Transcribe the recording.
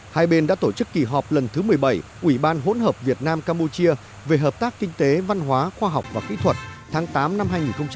hai bên đã tổ chức kỳ họp lần thứ một mươi bảy ủy ban hỗn hợp việt nam campuchia về hợp tác kinh tế văn hóa khoa học và kỹ thuật tháng tám năm hai nghìn một mươi chín